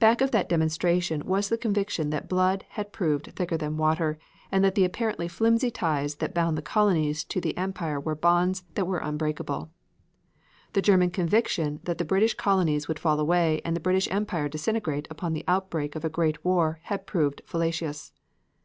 Back of that demonstration was the conviction that blood had proved thicker than water and that the apparently flimsy ties that bound the colonies to the empire were bonds that were unbreakable. The German conviction that the British colonies would fall away and the British Empire disintegrate upon the outbreak of a great war had proved fallacious.